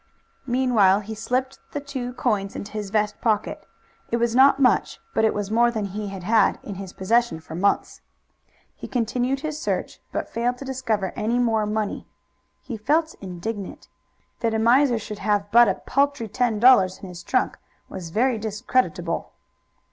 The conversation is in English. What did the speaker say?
Meanwhile he slipped the two coins into his vest pocket. It was not much, but it was more than he had had in his possession for months. He continued his search, but failed to discover any more money. He felt indignant. That a miser should have but a paltry ten dollars in his trunk was very discreditable.